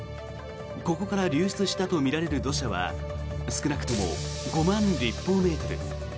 ここから流出したとみられる土砂は少なくとも５万立方メートル。